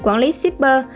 quản lý shipper